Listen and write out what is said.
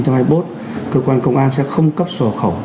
cơ quan công an sẽ không cấp sổ khẩu